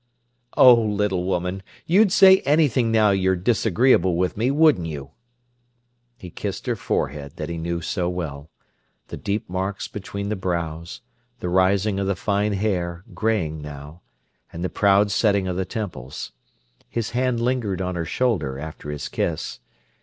"Oh, little woman, you'd say anything now you're disagreeable with me, wouldn't you?" He kissed her forehead that he knew so well: the deep marks between the brows, the rising of the fine hair, greying now, and the proud setting of the temples. His hand lingered on her shoulder after his kiss.